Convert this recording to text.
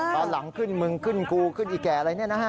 ตอนหลังขึ้นมึงขึ้นกูขึ้นอีแก่อะไรเนี่ยนะฮะ